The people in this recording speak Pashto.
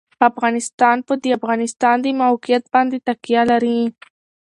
افغانستان په د افغانستان د موقعیت باندې تکیه لري.